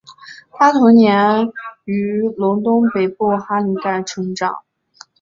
她童年于伦敦北部哈林盖成长。